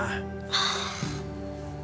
はあ。